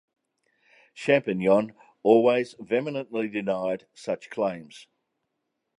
Champignon always vehemently denied such claims.